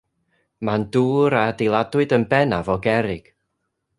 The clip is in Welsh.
Mae'n dŵr a adeiladwyd yn bennaf o gerrig.